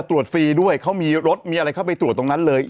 ฟรีด้วยเขามีรถมีอะไรเข้าไปตรวจตรงนั้นเลย